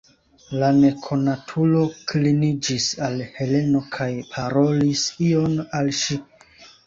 La nekonatulo kliniĝis al Heleno kaj parolis ion al ŝi.